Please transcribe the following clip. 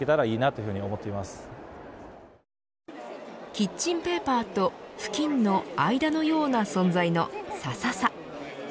キッチンペーパーと布きんの間のような存在のさささ。